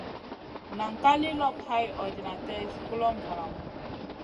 Nan ka li lop hay ordinater zi kulomʼma valamu.